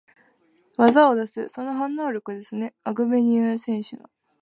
技を出す、その反応力ですね、アグベニュー選手の。